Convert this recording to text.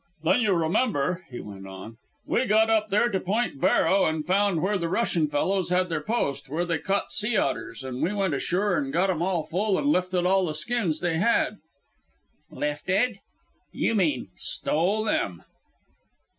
"Then you remember," he went on, "we got up there to Point Barrow and found where the Russian fellows had their post, where they caught sea otters, and we went ashore and got 'em all full and lifted all the skins they had " "'Lifted'? You mean stole them."